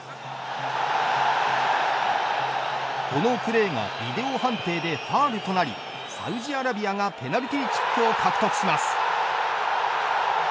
このプレーがビデオ判定でファウルとなりサウジアラビアがペナルティーキックを獲得します。